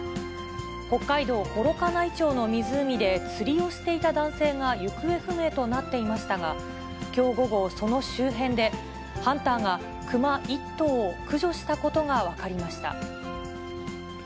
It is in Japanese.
北海道幌加内町の湖で、釣りをしていた男性が行方不明となっていましたが、きょう午後、その周辺で、ハンターがクマ１頭を駆除したことが分かりました。